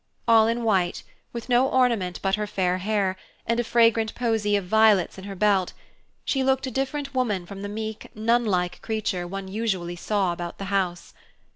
All in white, with no ornament but her fair hair, and a fragrant posy of violets in her belt, she looked a different woman from the meek, nunlike creature one usually saw about the house.